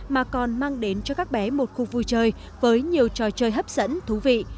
mà còn mang đến cho các bé một khu vui chơi với nhiều trò chơi hấp dẫn thú vị